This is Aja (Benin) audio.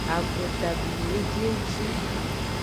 Agbota dwini ejieji.